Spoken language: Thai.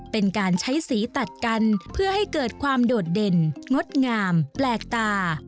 เป็นการใช้สีตัดกันเพื่อให้เกิดความโดดเด่นงดงามแปลกตา